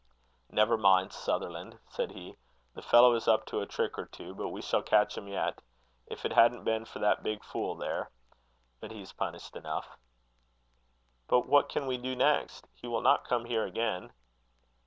"Never mind, Sutherland," said he. "The fellow is up to a trick or two; but we shall catch him yet. If it hadn't been for that big fool there but he's punished enough." "But what can we do next? He will not come here again."